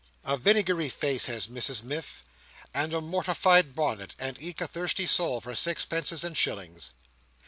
A vinegary face has Mrs Miff, and a mortified bonnet, and eke a thirsty soul for sixpences and shillings.